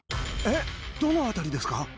どの辺りですか。